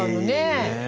ねえ。